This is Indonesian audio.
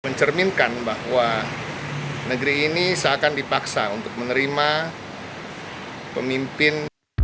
mencerminkan bahwa negeri ini seakan dipaksa untuk menerima pemimpin